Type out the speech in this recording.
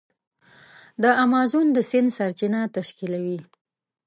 د امازون د سیند سرچینه تشکیلوي.